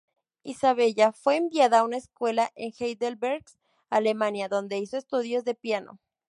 Isabella fue enviada a una escuela en Heidelberg, Alemania, donde hizo estudios de piano.